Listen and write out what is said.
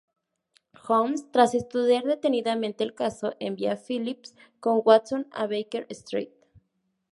Holmes, tras estudiar detenidamente el caso, envía a Phelps con Watson a Baker Street.